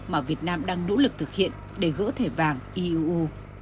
mà việt nam đang nỗ lực thực hiện để gỡ thẻ vàng iuu